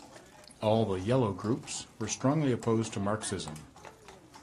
All the "Yellow" groups were strongly opposed to Marxism.